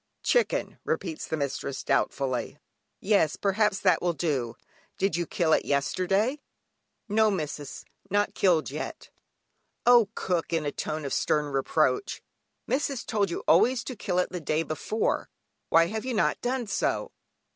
"Chicken," repeats the mistress doubtfully, "yes, perhaps that will do. Did you kill it yesterday?" "No! missis, not killed yet." "Oh cook!" in a tone of stern reproach, "missis told you always to kill it the day before, why have you not done so?"